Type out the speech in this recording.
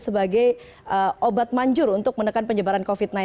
sebagai obat manjur untuk menekan penyebaran covid sembilan belas